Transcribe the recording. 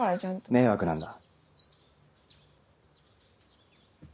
迷惑なんだ。